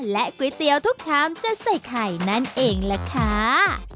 และก๋วยเตี๋ยวทุกชามจะใส่ไข่นั่นเองล่ะค่ะ